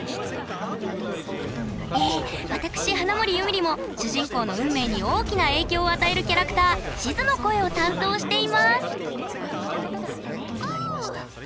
え私花守ゆみりも主人公の運命に大きな影響を与えるキャラクターシズの声を担当していますそっか。